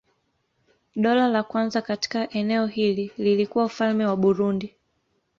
Dola la kwanza katika eneo hili lilikuwa Ufalme wa Burundi.